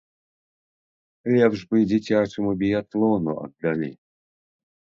Лепш бы дзіцячаму біятлону аддалі.